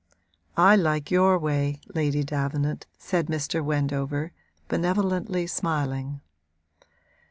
'I like your way, Lady Davenant,' said Mr. Wendover, benevolently, smiling.